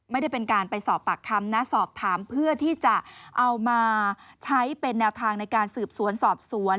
ไม่ได้เป็นการไปสอบปากคำนะสอบถามเพื่อที่จะเอามาใช้เป็นแนวทางในการสืบสวนสอบสวน